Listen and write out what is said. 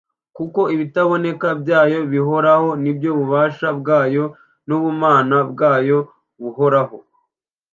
"Kuko ibitaboneka byayo bihoraho ni byo bubasha bwayo n'ubumana bwayo buhoraho,